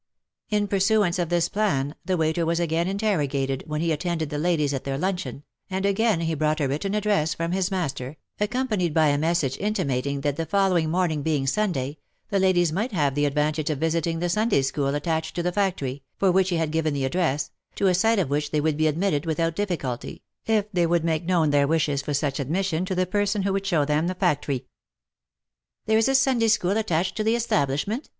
In pursuance of this plan, the waiter was again interrogated when he attended the ladies at their luncheon, and again he brought a written address from his master, accompanied by a message intimating that the following morning being Sunday, the ladies might have the advantage of visiting the Sunday school attached to the factory, for which he had given the address, to a sight of which they would be admitted without difficulty, if they would make known their wishes for such admission to the person who would show them the factory. " There is a Sunday school attached to the establishment?"